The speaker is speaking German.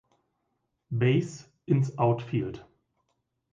Base ins Outfield.